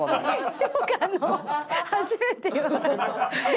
ヨガの初めて言われた。